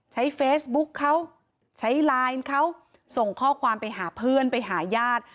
ใช้เฟซบุ๊คเขาใช้ไลน์เขาส่งข้อความไปหาเพื่อนไปหาญาติ